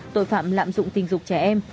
tội phạm lạm dụng tình dục trẻ em